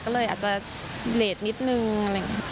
ก็เลยอาจจะเลสนิดนึงอะไรอย่างนี้